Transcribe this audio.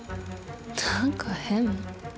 何か変。